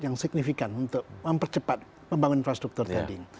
yang signifikan untuk mempercepat pembangunan infrastruktur tadi